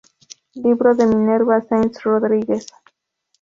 Libro de Minerva Sáenz Rodríguez